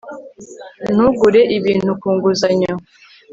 Ntugure ibintu ku nguzanyo